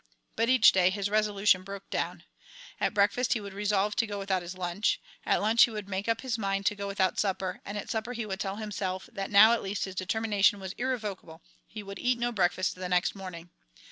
But each day his resolution broke down. At breakfast he would resolve to go without his lunch, at lunch he would make up his mind to go without supper, and at supper he would tell himself that now at least his determination was irrevocable he would eat no breakfast the next morning.